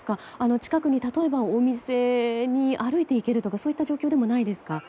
近くに、例えばお店に歩いて行けるとかそういった状況でもないですか？